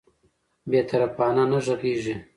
بې طرفانه نه غږیږي